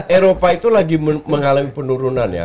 eropa itu lagi mengalami penurunan ya